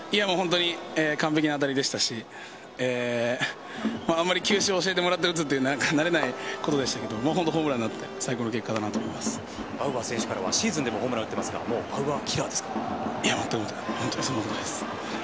完璧な当たりでしたし球種を教えてもらって打つのは慣れないことでしたけどホームランになってバウアー選手からはシーズンでもホームランを打ってますがそんなことないです。